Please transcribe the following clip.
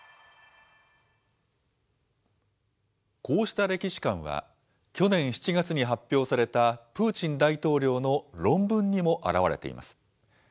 こうした歴史観は、去年７月に発表された、プーチン大統領の論文にも表れています。